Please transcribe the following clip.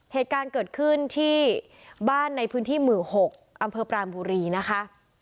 เหตุการณ์เกิดขึ้นที่บ้านในพื้นที่หมู่๖อำเภอปรานบุรีนะคะ